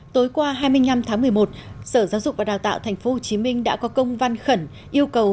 tối qua hai mươi năm tháng một mươi một sở giáo dục và đào tạo thành phố hồ chí minh đã có công văn khẩn yêu cầu